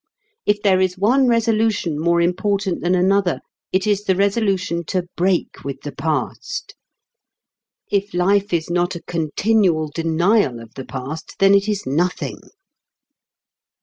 If there is one Resolution more important than another it is the Resolution to break with the past. If life is not a continual denial of the past, then it is nothing.